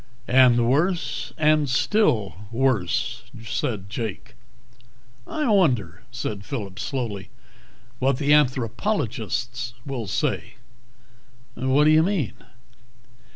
"And worse. And still worse," said Jake. "I wonder," said Phillip slowly, "what the anthropologists will say." "What do you mean?"